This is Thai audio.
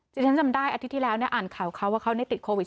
ที่ฉันจำได้อาทิตย์ที่แล้วอ่านข่าวเขาว่าเขาติดโควิด๑